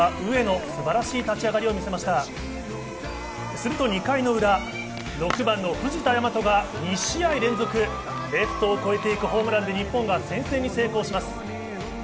すると２回の裏、６番の藤田倭が２試合連続レフトを越えて行くホームランで日本が先制に成功します。